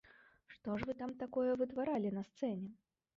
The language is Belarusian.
Што ж вы там такога вытваралі на сцэне?